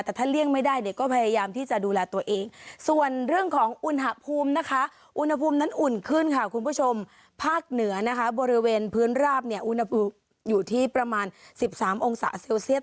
แต่ถ้าเลี่ยงไม่ได้เนี่ยก็พยายามที่จะดูแลตัวเองส่วนเรื่องของอุณหภูมินะคะอุณหภูมินั้นอุ่นขึ้นค่ะคุณผู้ชมภาคเหนือนะคะบริเวณพื้นราบเนี่ยอุณหภูมิอยู่ที่ประมาณ๑๓องศาเซลเซียส